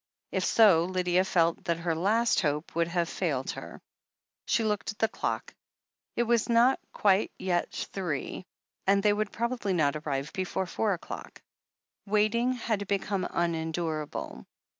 If so, Lydia felt that her last hope would have failed her. She looked at the clock. It was not yet quite three, and they would probably not arrive before four o'clock. Waiting had become unendurable.